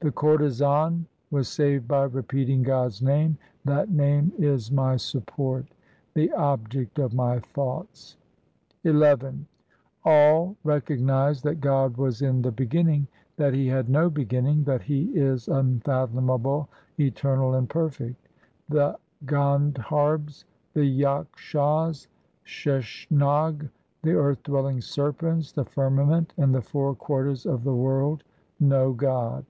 The courtesan was saved by repeating God's name ; that name is my support, the object of my thoughts. XI All recognize that God was in the beginning, that He had no beginning, that He is unfathomable, eternal, and perfect. The Gandharbs, 2 the Yakshas, Sheshnag, the earth dwelling serpents, the firmament, and the four quarters of the world know God.